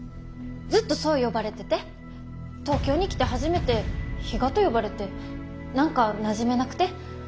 ずっとそう呼ばれてて東京に来て初めて「比嘉」と呼ばれて何かなじめなくて。